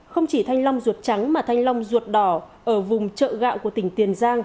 không chỉ thanh long ruột trắng mà thanh long ruột đỏ ở vùng chợ gạo của tỉnh tiền giang